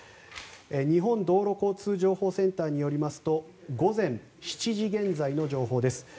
日本道路交通情報センターによりますと午前７時現在の情報です。